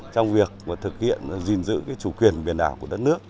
trong việc thực hiện và gìn giữ chủ quyền biển đảo của đất nước